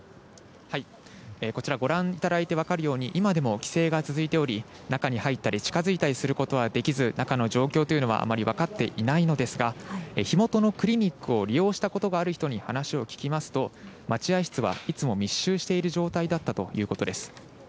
こちら、ご覧いただいて分かるように、今でも規制が続いており、中に入ったり近づいたりすることはできず、中の状況というのはあまり分かっていないのですが、火元のクリニックを利用したことがある人に話を聞きますと、待合室はいつも密集している状態だったということです。